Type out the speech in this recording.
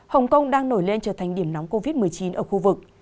hồng kông đang nổi lên trở thành điểm nóng covid một mươi chín ở khu vực